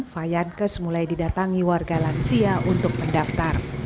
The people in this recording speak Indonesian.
fayankes mulai didatangi warga lansia untuk mendaftar